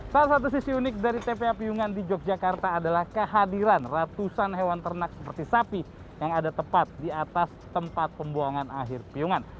salah satu sisi unik dari tpa piyungan di yogyakarta adalah kehadiran ratusan hewan ternak seperti sapi yang ada tepat di atas tempat pembuangan akhir piungan